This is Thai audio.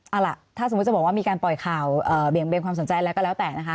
เอาล่ะถ้าสมมุติจะบอกว่ามีการปล่อยข่าวเบี่ยงเบนความสนใจอะไรก็แล้วแต่นะคะ